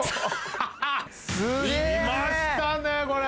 すげぇ！来ましたねこれ。